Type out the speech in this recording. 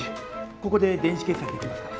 ここで電子決済できますから。